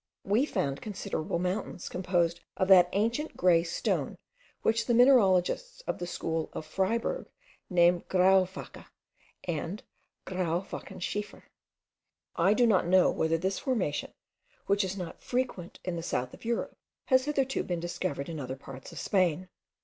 We found considerable mountains composed of that ancient grey stone which the mineralogists of the school of Freyberg name grauwakke, and grauwakkenschiefer. I do not know whether this formation, which is not frequent in the south of Europe, has hitherto been discovered in other parts of Spain.